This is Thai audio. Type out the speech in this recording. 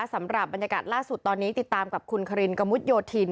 สำหรับบรรยากาศล่าสุดตอนนี้ติดตามกับคุณคารินกระมุดโยธิน